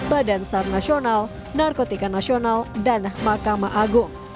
badan sar nasional narkotika nasional dan mahkamah agung